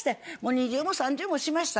２巡も３巡もしました。